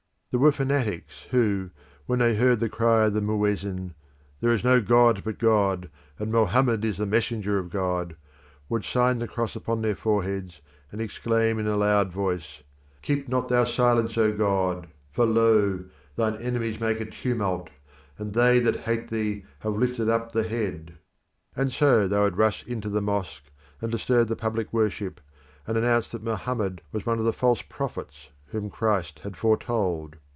There were fanatics who, when they heard the cry of the muezzin, "There is no God but God, and Mohammed is the messenger of God," would sign the cross upon their foreheads and exclaim in a loud voice, "Keep not thou silence, O God, for lo! thine enemies make a tumult, and they that hate thee have lifted up the head"; and so they would rush into the mosque, and disturb the public worship, and announce that Mohammed was one of the false prophets whom Christ had foretold.